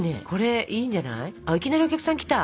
いきなりお客さん来た！